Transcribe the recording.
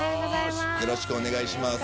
よろしくお願いします。